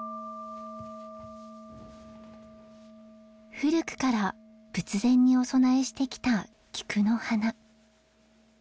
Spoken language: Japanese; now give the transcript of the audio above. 古くから仏前にお供えしてきたキクの花。